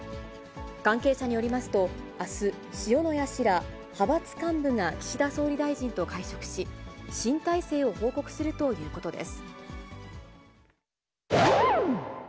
関係者によりますと、あす、塩谷氏ら派閥幹部が岸田総理大臣と会食し、新体制を報告するということです。